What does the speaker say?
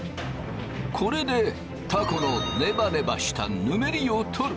これでたこのネバネバしたぬめりを取る。